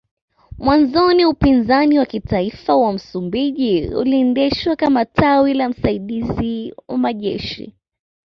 Mwanzoni Upinzani wa Kitaifa wa Msumbiji uliendeshwa kama kama tawi la msaidiziwa majeshi